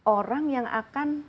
orang yang akan